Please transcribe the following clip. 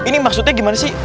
ini maksudnya gimana sih